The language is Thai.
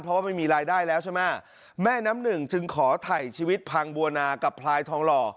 เพราะว่าไม่มีรายได้แล้วใช่ไหมแม่น้ำหนึ่งจึงขอถ่ายชีวิตพังบัวนากับพลายทองหล่อ